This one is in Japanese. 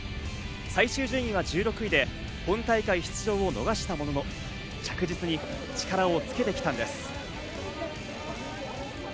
最終順位は１６位で本大会出場を逃したものの、着実に力をつけてきたんです。